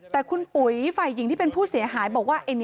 แต่คุณปุ๋ยฝ่ายหญิงที่เป็นผู้เสียหายบอกว่า